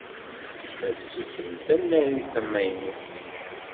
Ad ssutren tanarit tamaynut.